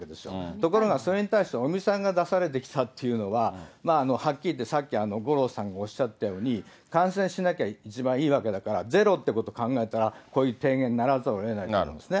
ところがそれに対して、尾身さんが出されてきたっていうのは、はっきり言って、さっき五郎さんがおっしゃったように、感染しなきゃ一番いいわけだから、ゼロっていうことを考えたら、こういう提言にならざるをえないんですね。